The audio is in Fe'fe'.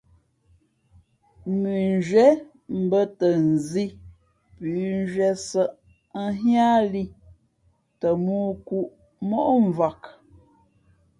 Mʉnzhwíé mbαtα nzī pʉ̌nzhwíé sα̌ʼ nhíá lī th mōō kǔʼ móʼ mvak.